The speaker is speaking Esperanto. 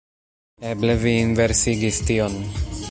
Eble vi inversigis tion.